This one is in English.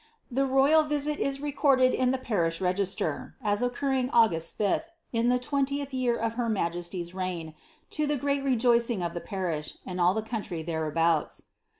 The royal visit is recorded in the parish register, as occurring .^ugwt 5lh, in the twentieth year of her majesty's reign, to the great rejoicing of the parish, and all the country (hereabouts.